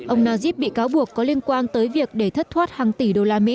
ông najib bị cáo buộc có liên quan tới việc để thất thoát hàng tỷ usd